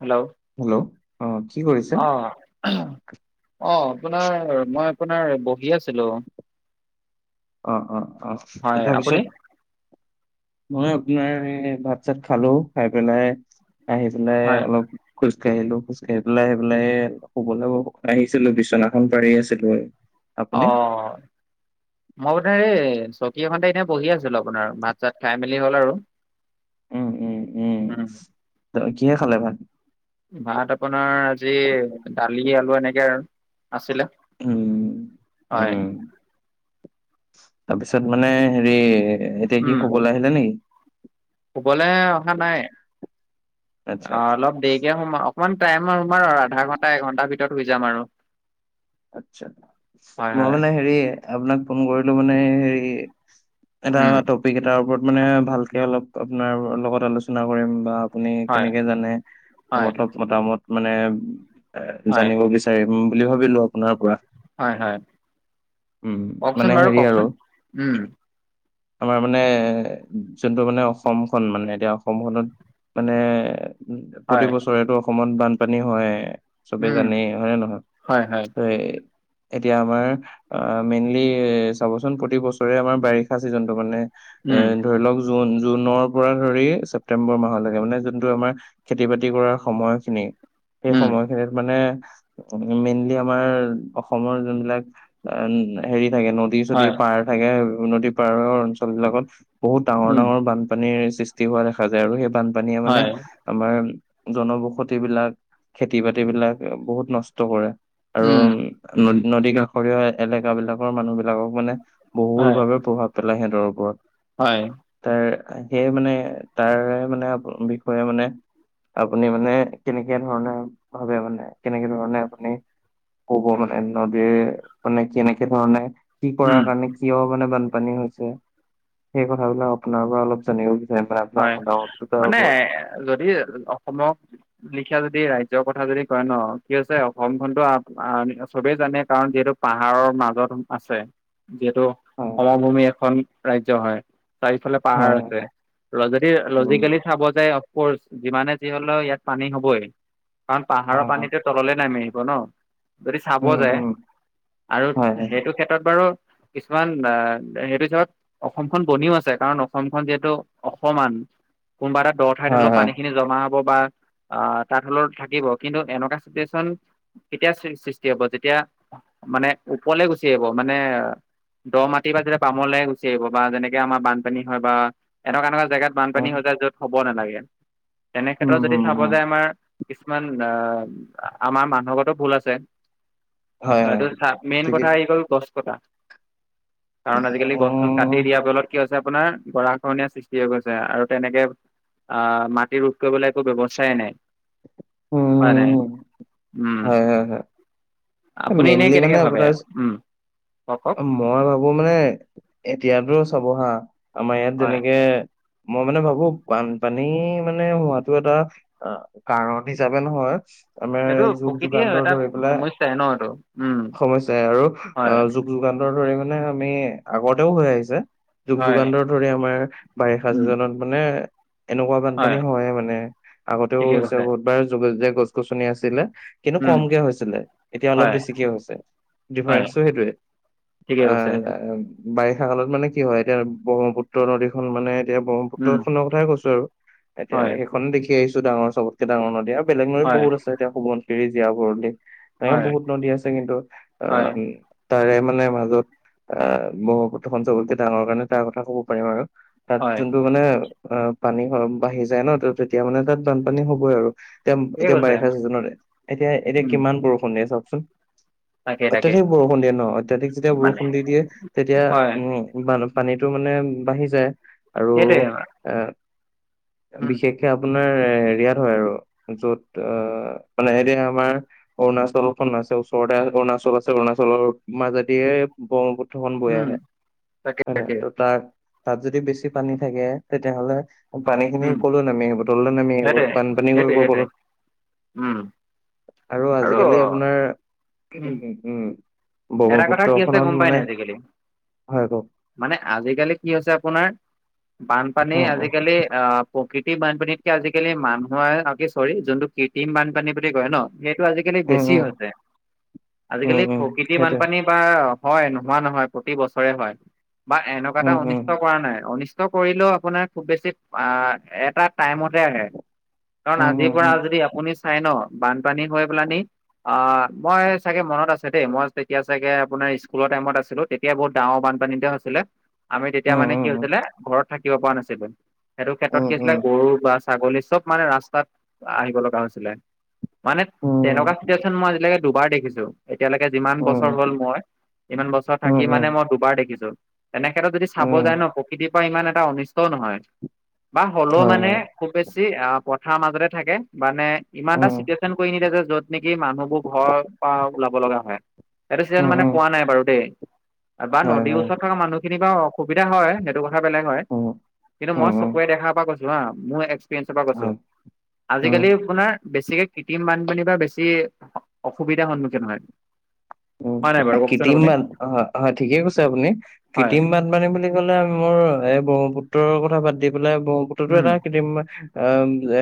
Hello hello অ কি কৰিছে অ অ আপোনাৰ মই আপোনাৰ বহি আছিলো অ অ অ সে' হয় আপুনি তাৰপিছত মই আপোনাৰ ভাত চাত খালো খাই পেলাই আহি পেলাই হয় অলপ খোজকাঢ়িলো খোজ কাঢ়ি পেলাই আহি পেলাই এ শুবলে আহিছিলো বিচনাখন পাৰি আছিলো আৰু আপুনি অ মই মানে এই চকী এখনতে এনেই বহি আছিলো আপোনাৰ ভাত চাত খাই মেলি হল আৰু উম উম উম ত কিহে খালে ভাত ভাত আপোনাৰ আজি দালি আলু এনেকে আৰু আছিলে উম উম হয় তাৰপিছত মানে হেৰি এতিয়া কি উম শুবলে আহিলে নেকি শুবলে অহা নাই আচ্ছা অ আচ্ছা অলপ দেৰিকে শুম আক অকমান টাইম আৰু তোমাৰ আধা ঘণ্টা এঘণ্টাৰ ভিতৰত শুই যাম আৰু আচ্ছা হয় মই হয় মানে হেৰি আপোনাক ফোন কৰিলো মানে হেৰি এটা উম টপিক এটাৰ ওপৰত মানে ভালকে অলপ আপোনাৰ লগত আলোচনা কৰিম বা আপুনি হয় কেনেকে জানে হয় মতলব' মতামত মানে হয় জানিব বিচ চাৰিম বুলি ভাবিলো আপোনাৰ পৰা হয় হয় উম কওকচোন মানে বাৰু হেৰি আৰু কওকচোন উম আমাৰ মানে যোনটো মানে অসমখন মানে এতিয়া অসমখনত মানে উ হয় প্ৰতি বছৰেটো অসমত বানপানী হয়ে চবে উম জানেই হয়নে নহয় হয় হয় সেই এতিয়া আমাৰ আ মেইনলি চাবচোন প্ৰতি বছৰে আমাৰ বাৰিষা চিজন টো মানে এ উম ধৰি লওক জুন জুনৰ পৰা ধৰি ছেপ্তেম্বৰ মাহলেকে মানে যোনটো আমাৰ খেতি বাতি কৰাৰ সময়খিনি সেই উম সময়খিনিত মানে মেইনলি আমাৰ অসমৰ যোনবিলাক হেৰি থাকে নদী চদী হয়, পাহাৰ থাকে নদী পাৰৰ অঞ্চল বিলাকত বহুত ডাঙৰ উম ডাঙৰ বানপানীৰ সৃষ্টি হোৱা দেখা যায় আৰু সেই বানপানীয়ে মানে হয়, আমাৰ জনবসতি বিলাক, খেতি-বাতি বিলাক বহুত নষ্ট কৰে। আৰু উম, উ নদী কাষৰীয়া এলেকা বিলাকৰ মানুহ বিলাকক মানে বহুল হয়, ভাৱে প্ৰভাৱ পেলাই সিহঁতৰ ওপৰত হয় তাৰ সেই মানে তাৰে মানে বিষয়ে মানে আপুনি মানে কেনেকে ধৰণে ভাবে মানে কেনেকে ধৰণে আপুনি কব মানে নদীৰ মানে কেনেকে ধৰণে কি কৰা উম, কাৰণে কিয় মানে বানপানী হৈছে সেই কথাবিলাক আপোনাৰ পৰা অলপ জানিব বিচ হয় মানে যদি অসমক লিখা যদি ৰাজ্য কথা যদি কয় ন কি হৈছে অসমখনতো চবেই জানে কাৰণ যিহেতু পাহাৰৰ মাজত আছে যিহেতু হয় সমভূমি এখন ৰাজ্য হয় চাৰিফালে পাহাৰ হয় হয় আছে যদি উম লজিকেলি চাবযাই অফকৰ্চ যিমানে যি হলেও ইয়াত পানী হবই কাৰণ পাহাৰৰ হয় হয় পানীটো তললে নামি আহিব ন যদি চাব উম যায় উম আৰু হয় হয় সেইটোত ক্ষেত্ৰত বাৰু কিছুমান অ সেইটো হিচাপত অসমখন বনিও আছে কাৰণ অসমখন যিহেতু অসমান কোনোবা এটা দ ঠাইত হলো হয় হয় পানীখিনি জমা হব বা অ তাৰ তলতে থাকিব কিন্তু এনেকুৱা চিটুৱেচন কেতিয়া সৃষ্টি হব যেতিয়া মানে ওপৰলে গুচি আহিব মানে দ মাটি বা যেতিয়া বামলে গুচি আহিব বা যেনেকে আমাৰ বানপানী হয় বা এনেকুৱা এনেকুৱা জেগাত উম বানপানী হৈ যায় যত হ'ব নালাগে উম তেনেক্ষেত্ৰত যদি উম চাওঁ উম যে আমাৰ কিছুমান আ আমাৰ মানুহগাতো ভুল আছে হয় অ হয় এইটো চা মেইন ঠিকে কথা আহি গ'ল গছ কটা কাৰণ অ আজিকালি গছ-চছ কাটি দিয়াৰ ফলত কি হৈছে আপোনাৰ গৰা খহনীয়া সৃষ্টি হৈ গৈছে আৰু তেনেকে আহ মাটি ৰোধ কৰিবলে একো ব্যৱস্থাই নাই হয় নাই উম উম হয় হয় হয় আপুনি এনেই মেইনলি মানে কেনেকে ভাবে, আপোনাৰ উম কওক কওক মই ভাবো মানে এতিয়াতো চাবহা আমাৰ ইয়াত হয় যেনেকে মই মানে ভাবো বানপানী মানে হোৱাটো এটা অ কাৰণ সিচাপে নহয় আমাৰ এইটো যুগ প্ৰকৃতিয়ে যুগান্তৰ এটা ধৰি পেলাই সমস্যাই ন এইটো উম সমস্যাই আৰু অ হয় য যোগান্তৰ ধৰি মানে আমি আগতেও হৈ আহিছে যুগ হয় যোগান্তৰ ধৰি আমাৰ বাৰিষা উম চিজনত মানে এনেকুৱা বানপানী হয় মানে আগতেও ঠিকে হৈছে কৈছে বহুত বাৰ যে গছ গছনি আছিলে কিন্তু উম কমকে হৈছিলে, এতিয়া অলপ হয় বেছিকে হৈছে হয় ডিফাৰেন্সটো সেইটোৱে। ঠিকে অ কৈছে বাৰিষা কালত মানে কি হয় এতিয়া ব্ৰহ্মপুত্ৰ নদীখন মানে এতিয়া উম ব্ৰহ্মপুত্ৰ খনৰ কথাই কৈছো আৰু এতিয়া হয় সেইখননে দেখি আহিছো ডাঙৰ চবতকে ডাঙৰ নদী আৰু বেলেগ নদী হয় বহুত আছ ছে এতিয়া সোৱনশিৰি, জীয়াভৰলি এনেকে হয় বহুত নদী আছে কিন্তু হয় আহ তাৰে মানে মাজত আহ ব্ৰহ্মপুত্ৰখন ছবতকে ডাঙৰ কাৰণে তাৰ কথা ক'ব পাৰিম আৰু তাত হয় যোনটো মানে অ পানী হয় বাঢ়ি যায় ন তেতিয়া মানে তাত বানপানী হবই আৰু এতিয়া ঠিকে এতিয়া কৈছে বাৰিষা চিজনতে, এতিয়া এতিয়া উম কিমান বৰষুণ দিয়ে চাওকচোন তাকে তাকে অত্যাধিক বৰষুণ দিয়ে ন, অত্যাধিক যেতিয়া মানে বৰষুণ দি দিয়ে। তেতিয়া হয় উম, বান পানীতটো মানে বাঢ়ি যায়। আৰু সেইটোৱে ন, এ বিশেষকে আপোনাৰ এৰিয়াত, হয় আৰু, য'ত মানে এৰি আমাৰ, অৰুণাচলখন আছে ওচৰতে, অৰুণাচল আছে অৰুণাচলৰ মাজেদিয়ে, ব্ৰহ্মপুত্ৰখন বৈ উম আহে তাকে হয় ন, তাকে ত তাক তাত যদি বেছি পানী থাকে, তেতিয়াহ'লে পানী খিনি উম ক'লৈ নামি আহিব তললৈ নামি আহিব। সেইটোৱে বানপানী সেইটোৱে কৰিব সেইটোৱে গলত, উম আৰু আজিকালি আপোনাৰ। উম উম, এটা কথা ব্ৰহ্মপুত্ৰ কি হৈছে খনত গম পাই মানে, নাই আজিকালি সহায় কৰক মানে আজিকালি কি হৈছে, আপোনাৰ বানপানী উম উম আজিকালি আহ। প্ৰকৃতিৰ বানপানীতকে আজিকালি মানুহৰ আৰু, কি চৰি যোনটো কৃত্ৰিম বানপানী বুলি কয় ন। সেইটো আজিকালি বেছি হৈছে, আজিকালি প্ৰকৃতিৰ বানপানী, বাৰ হয় নোহোৱা নহয় প্ৰতি বছৰে হয়। বা এনেকুৱা এটা অনিষ্ট কৰা নাই, অনিষ্ট কষ্ট কৰিলেও, আপোনাৰ খুব বেছি এটা টাইমতে আহে। কাৰণ আজিৰ পৰা যদি আপুনি চাই ন বানপানী হৈ পেলানি। অ মই চাগে মনত আছে দেই, মই তেতিয়া চাগে আপোনাৰ স্কুলৰ টাইমত আছিলো তেতিয়াই বহুত ডাঙৰ বানপানী এটা হৈছিলে। আমি তেতিয়া মানে কি হৈছিলে ঘৰত থাকিব পৰা নাছিলো সেইটো ক্ষেত্ৰত কি হৈছিলে। গৰু বাছ, ছাগলী চব মানে ৰাস্তাত আহিব লগা হৈছিলে। মানে তেনেকুৱা চিটোৱেচন মই আজিলৈকে, দুবাৰ দেখিছো, এতিয়ালৈকে যিমান বছৰ হ'ল, মই ইমান বছৰ থাকি মানে মই দুবাৰ দেখিছো। এনেক্ষেত্ৰত যদি চাব যায় ন প্ৰকৃতিৰ পৰা ইমান এটা অনিষ্টও নহয়। বা হলেও মানে, খুব বেছি, অ পথাৰ মাজতে থাকে মানে, ইমান এটা চিটুৱেচন কৰি নিদিয়ে যে, য'ত নেকি মানুহবোৰ ঘৰৰ পৰা ওলাব লগা হয়। এইটো চিটুৱেচন মানে পোৱা নাই বাৰু দেই। বা নদীৰ ওচৰত থকা মানুহখিনিৰ বা অসুবিধা হয়। সেইটো কথা, বেলেগ হয়, কিন্তু মই চকুৱে দেখাৰ পৰা কৈছো হা, মোৰ [unintelligible] কৈছো আজিকালি মানে, বেছিকে, কৃত্ৰিম বানপানী বা বেছি অসুবিধাৰ সন্মুখীন হয়। উ হয় নাই বাৰু কওকচোন কৃত্ৰিম আপুনি বান অ হয় ঠিকে কৈছে, আপুনি হয় কৃত্ৰিম বান। পানী বুলি ক'লে মোৰ, এই ব্ৰহ্মপুত্ৰৰ কথা বাদ দি পেলাই ব্ৰহ্মপুত্ৰটো উম এটা কৃত্ৰিম, অ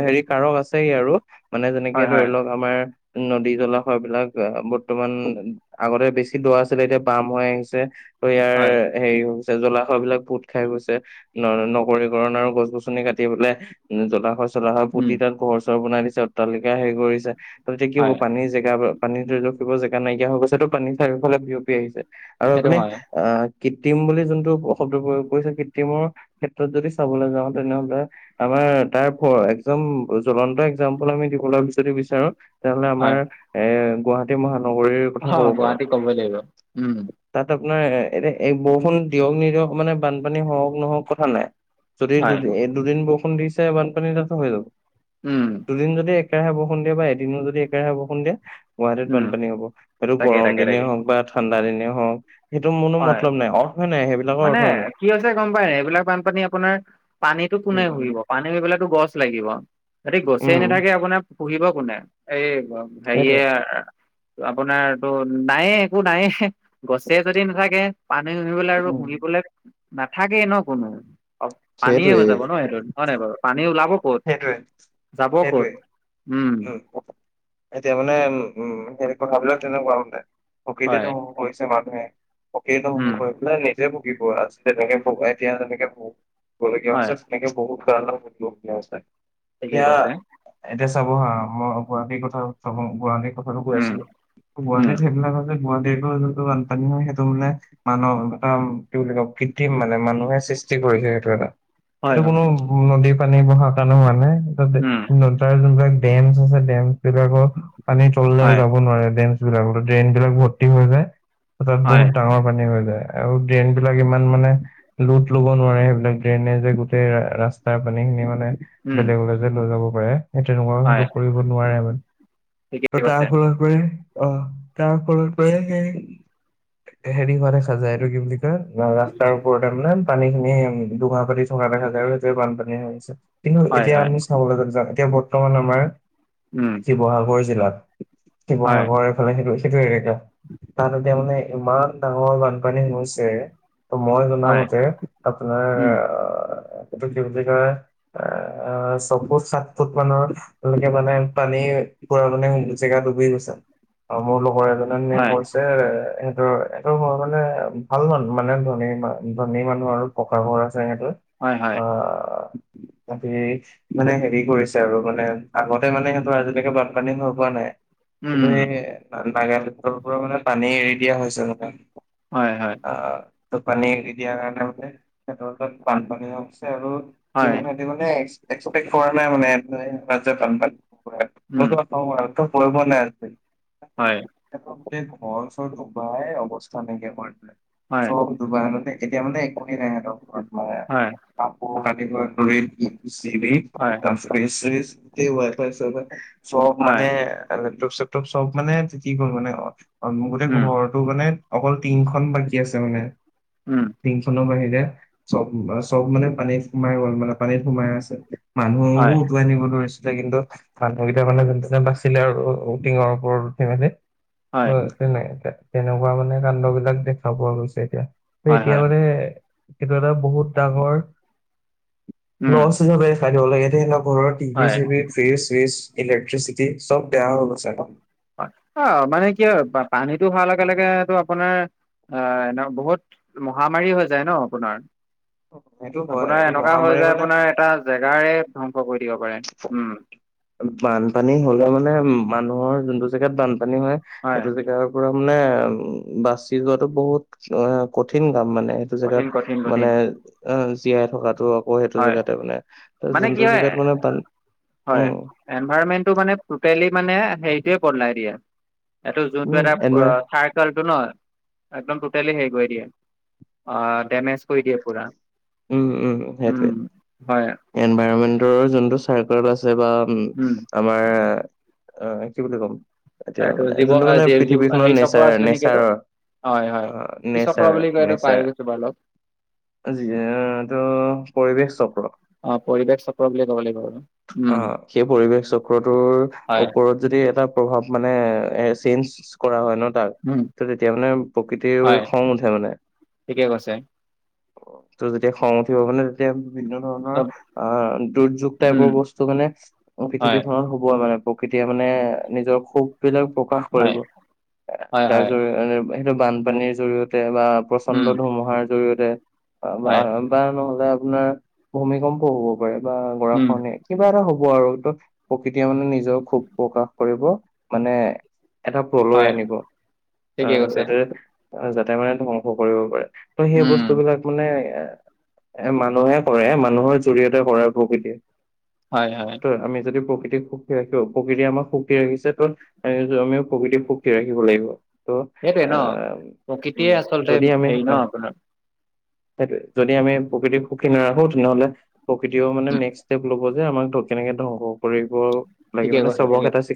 হেৰি কাৰক আছে আৰু, মানে হয় যেনেকে ধৰি হয় লওক আমাৰ নদী জলাশয় বিলাক বৰ্তমান, আগতে বেছি দহ আছিলে, এতিয়া বাম হৈ আহিছে। ত ইয়াৰ, হয় হেৰি হৈ গৈছে, জলাশয় বিলাক বহুত খাই গৈছে। ন নগৰীকৰণ আৰু গছ গছনি কাটি পেললে। জলাশয়, চলা হয় উম পুতি তাত ঘৰ চৰ বনাই দিছে, অট্টালিকা হেৰি কৰিছে ততে কি হব হয় পানীৰ জেগা, পানী ৰখিব জেগা নাইকিয়া হৈ গৈছে তাটো পানী চাৰিওফালে বিয়পি আহিছে। আৰু সেইটো আপুনি হয় আহ, কৃত্ৰিম বুলি যোনটো শব্দ প্ৰয়োগ কৰিছে। কৃত্ৰিমৰ ক্ষেত্ৰত যদি চাবলৈ যাওঁ তেনেহলে, আমাৰ তাৰ এক জ্বলন্ত একজাম্পল আমি দিব লে যদি বিচাৰো, তেতিয়া হ'লে হয় আমাৰ এ গুৱাহাটী মহানগৰীৰ, অ কথা ক'ব পাৰো। গুৱাহাটী ক'বই লাগিব। উম, তাত আপোনাৰ এতিয়া, এই বৰষুণ দিয়ক নিদিয়ক মানে বানপানী হহক নহওক কথা নাই। যদি হয় দুদিন এই দুদিন বৰষুণ দিছে, বানপানী তাতো হৈ যাব। উম। দুদিন যদি একৰাহে বৰষুণ দিয়ে বা এদিনো যদি একৰাহে বৰষুণ দিয়ে গুৱাহাটীত উম বানপানী হব। সেইটো তাকে গৰম তাকে দিনেই তাকে হওঁক বা ঠাণ্ডা দিনে হওক। সেইটো মোৰনো হয় মতলব নাই অৰ্থই নাই সেইবিলাকৰ মানে অৰ্থই নাই কি হৈছে গম পায়? এইবিলাক বানপানী আপোনাৰ পানীটো কোনে উম উম শুহিব পানী শুহিবলেটো গছ লাগিব। যদি গছেই উম নাথাকে, আপোনাৰ শুহিব কোনে? এই সেইটোৱে হেৰিয়ে আপোনাৰটো নায়ে একো নায়ে গছে যদি নাথাকে। পানী শুহিবলৈ আৰু উম শুহিবলৈ নাথাকেই ন কোনো। অ' পানীয়ে হৈ সেইটোৱেই যাব ন সেইটোত, হয় নাই বাৰু? পানী ওলাব ক'ত সেইটোৱে যাব ক'ত? উম। সেইটোৱে মানে উম হে কথাবিলাক তেনেকুৱা মানে হয় প্ৰকৃতিতো ধ্বংস কৰিছে মানুহে। প্ৰকৃতি উম ধ্বংস কৰি পেলাই নিজে ভুগিব, অজি তেনেকে ভগাই এতিয়া যেনেকে ভুগ গিবলগীয়া হয় হৈছে তেনেকে বহুত কাৰণত ঠিকেই কৈছে [unintelligible] এতিয়া চাব হা, মই গুৱাহাটীৰ কথা [unintelligible] গুৱাহাটীত কথাতো কৈ উম আছিলো, উম গুৱাহাটীত সেইবিলাক যে গুৱাহাটীতো যোনটো বানপানী হয় সেইটো বোলে। [unintelligible] বুলি কয়, কৃত্ৰিম মানে মানুহে সৃষ্টি কৰিলে। সেইটো এটা, হয় এইটো হয় কোনো নদীৰ পানী বহা কাৰণে হোৱা নাই। উম তাৰ যোনবিলাক ডেমছ আছে ডেমবিলাকৰ পানী তললে হয় যাব নোৱাৰে। ডেমছ বিলাক ড্ৰেইন বিলাক ভৰ্তি হৈ যায় তাত হয় বহুত ডাঙৰ পানী হৈ যায়। আৰু ড্ৰেইন বিলাক ইমান মানে লোট ল'ব নোৱাৰে সেইবিলাক। ড্ৰেইনে যে গোটেই ৰাস্তাৰ পানী খিনি মানে উম বেলেগলে যে লৈ যাব পাৰে। সেই তেনেকুৱা হয় সেইটো কৰিব নোৱাৰে মানে। ত' ঠিকেই তাৰ কৈছে ফলত। অ' তাৰ ফলৰ [unintelligible] হেৰি হোৱা দেখা যায়, এইটো কি বুলি কয়, ৰাস্তাৰ ওপৰতে মানে পানীখিনি দুঘা পাতি থকা দেখা যায়, সেইটোৱে বানপানী হৈ আহিছে। কিন্তু হয় এতিয়া হয় আমি চাবলৈ যদি যাওঁ এতিয়া বৰ্তমান আমাৰ উম শিৱসাগৰ জিলাত। হয় শিৱসাগৰ এইফালে সেইটো সেইটো এলেকাত, তাত এতিয়া মানে ইমান ডাঙৰ বানপানী হৈছে, ত' মই হয় জনামতে [unintelligible] উম। অ' এইটো কি বুলি কয়, এ ছফুট-সাত ফুট মানৰ। তেনেকে মানে পানী পুৰা মানে জেগাত ডুবি গৈছে। আৰু মোৰ লগৰ এজন [unintelligible] যে হয় সিহতৰ এইটো [unintelligible] মানে ভাল মানুহ মানে ধনী ধনী মানুহ আৰু। পকা ঘৰ আছে হেতৰ। হয় হয় [unintelligible] মানে হেৰি কৰিছে আৰু মানে আগতে মানে সিহঁতৰ আজিলৈকে বানপানী হৈ পোৱা নাই। উম কিন্তু সেই নাগালেণ্ডৰ পৰা মানে পানী এৰি দিয়া হৈছে মানে। হয় হয়। অ' তটো পানী এৰি দিয়াৰ কাৰণে মানে হেতৰ তাত বানপানী হৈছে। আৰু সি হয় মানে সি মানে এক্সপেক্ট কৰা নাই মানে ইয়াত যে বানপানী উম [unintelligible] [unintelligible] হয়। হেতৰ গোটেই ঘৰ-চৰ ডুবাই অৱস্থা নাইকিয়া কৰি পেলালে হয় চব। ডুবাই মানে, এতিয়া মানে একোৱেই নাই হেতৰ ঘৰত। হয়। কাপোৰ-কানি [unintelligible] ফিনিছ চিনিছ সেই হয় ৱাইফাই চাৰ্ভাৰ চফ হয় মানে লেপটপ চেপটপ চব মানে তিতি গ'ল মানে অ মো গতে উম ঘৰ টো মানে অকল টিংখন বাকী আছে মানে। উম। টংখনৰ বাহিৰে চব চব মানে পানীত সোমাই গ'ল মানে, পানীত সোমাই আছে। মানুহকো হয় উটুৱাই নিব ধৰিছিলে কিন্তু মানুহকেইটা মানে যেন তেনে বাচিলে আৰু টিঙৰ ওপৰত উঠি মেলি হয় অহ তেনে তে তেনেকুৱা মানে কাণ্ডবিলাক দেখা পোৱা গৈছে এতিয়া হে হয় এতিয়া হয় মানে সেইটো এটা বহুত ডাঙৰ উম লছ হিচাপে দেখাই দিব লাগে তেহেতৰ ঘৰত টিভি হয় চিভি ফিৰিছ চিৰিছ ইলেক্ট্ৰিচিটি সব বেয়া হৈ গৈছে ক। অ মানে কি হয় পানীটো হোৱাৰ লগে লগেটো আপোনাৰ আ এনেও বহুত মহামাৰী হৈ যায় ন আপোনাৰ। সেইটো হয় আপোনাৰ এইটো এনেকুৱা হয় মহামাৰী যায় মানে আপোনাৰ এটাজ জেগাৰে ধ্বংস কৰি দিব পাৰে, উম। বানপানী হ'লে মানে মানুহৰ যোনটো জেগাত বানপানী হয় সেইটো জেগাৰ পুৰা মানে উ বাচি যোৱাটো বহুত কঠিন কাম মানে। কঠিন জেগাত কঠিন মানে কঠিন অ জীয়াই থকাটো অক অ সেইটো হয় জেগাতে মানে ত মানে কি যোনটো হয় জেগাত মানে টান হয়, এনভাইৰমেন্টটো মানে টোটেলি মানে হেৰিটোয়ে বদলাই দিয়া। এইটো উম যোনটো এটা এনভাৰ ৱ থাৰ্ট [unintelligible] ন একদম টোটেলি হেৰি কৰি দিয়ে, অ ডমেজ কৰি দিয়ে পুৰা। উম উম সেইটোৱে, উম হয় এনভাইৰনমেন্টৰ যোনটো চাৰ্ক বা আছে বা উম, আমাৰ অ কি বুলি কম এতিয়া এইটো মানে যোনটো মানে জীৱ জীৱ পৃথিৱীখনৰ হেৰি চক্ৰ নেচাৰ আছিলে নেকি এইটো নেচাৰৰ হয় হয় অ কি চক্ৰ নেছাৰ বুলি কয় এইটো পাহৰি নেছাৰ গৈছো বাৰু অলপ [unintelligible] টো পৰিৱেশ চক্ৰ অ পৰিৱেশ চক্ৰ বুলি ক'ব লাগিব আৰু। অ উম সেই পৰিৱেশ চক্ৰটোৰ হয় ওপৰত যদি এটা প্ৰভাৱ মানে চেঞ্জ কৰা হয় ন তাক উম ত তেতিয়া মানে প্ৰকৃতিৰ হয় খং উঠে মানে। ঠিকে কৈছে ত যেতিয়া খং উঠিব মানে তেতিয়া বিভিন্ন ধৰণৰ চব আহ দুৰ্যোগ উম টাইপৰ বস্তু মানে হয় পৃথিৱীখন হুব মানে প্ৰকৃতিয়ে মানে নিজৰ খুববিলাক প্ৰকাশ হয় কৰিব, হয় তাৰ হয় জৰি সেইটো বানপানীৰ জৰিয়তে বা প্ৰচণ্ড উম ধুমুহাৰ জৰিয়তে আ বা হয় আ ওম বা নহ'লে আপোনাৰ ভূমিকম্প হ'ব পাৰে বা উম গৰাখহনি কিবা এটা হ'ব আৰু ত প্ৰকৃতিয়ে মানে নিজেও খুব প্ৰকাশ কৰিব মানে এটা প্ৰলয় হয় আনিব ঠিকে আহ কৈছে যাতে যাতে মানে ধ্বংস কৰিব পাৰে। ত সেই উম বস্তুবিলাক মানে এ এ মানুহে কৰে মানুহৰ জৰিয়তে কৰাৰ ভূ-প্ৰকৃতি হয় হয়। আমি যদি প্ৰকৃতিক সুখী ৰাখিব, প্ৰকৃতি আমাক সুখী ৰাখিছে তত এ যে আমিও প্ৰকৃতি সুখী ৰাখিব লাগিব। ত সেইটোৱে ন আহ উ প্ৰকৃতিয়ে আচলতে যদি আমি হেৰি ন অ আপোনাৰ সেইটোয়ে যদি আমি প্ৰকৃতিক সুখী নাৰাখো তেনেহ'লে প্ৰকৃতিও মানে নেক্সট লব যে আমাক কেনেকে ধ্বংস কৰিব লাগে ঠিকে মানে কৈছে ঠিকে চবকে এটা